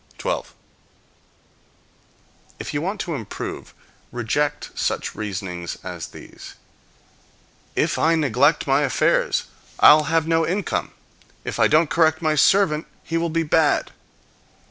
12. If you want to improve, reject such reasonings as these: "If I neglect my affairs, I'll have no income; if I don't correct my servant, he will be bad."